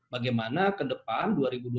bagaimana kedepan dua ribu dua puluh satu